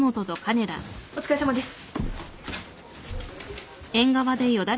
お疲れさまです。